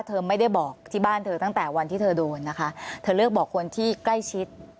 เธอไม่ได้บอกที่บ้านเธอตั้งแต่วันที่เธอโดนนะคะเธอเลือกบอกคนที่ใกล้ชิด